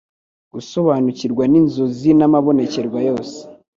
“gusobanukirwa n’inzozi n’amabonekerwa yose.” …